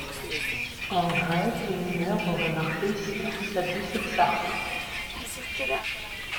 En grève, les mineurs auraient marché sur Sablé-sur-Sarthe.